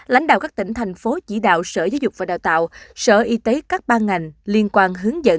lãnh đạo các tỉnh thành phố chỉ đạo sở giáo dục và đào tạo sở y tế các ban ngành liên quan hướng dẫn